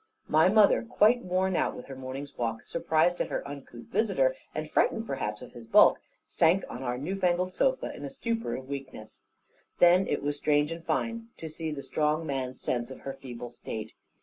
My mother, quite worn out with her morning's walk, surprised at her uncouth visitor, and frightened perhaps at his bulk, sank on our new fangled sofa, in a stupor of weakness. Then it was strange and fine to see the strong man's sense of her feeble state.